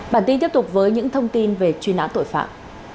bản tin tiếp tục với những thông tin về truy nã tội phạm